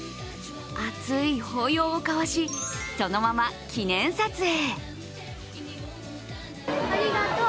熱い抱擁を交わし、そのまま記念撮影。